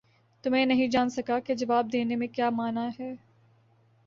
تو میں نہیں جان سکا کہ جواب دینے میں کیا مانع ہے؟